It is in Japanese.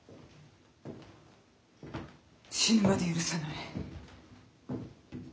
死ぬまで許さない。